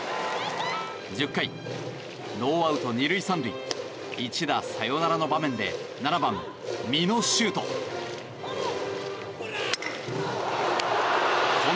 １０回、ノーアウト２塁３塁一打サヨナラの場面で７番、美濃十都。